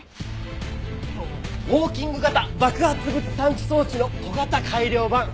ウォーキング型爆発物探知装置の小型改良版。